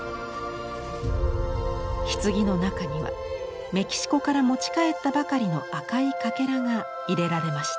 ひつぎの中にはメキシコから持ち帰ったばかりの赤いカケラが入れられました。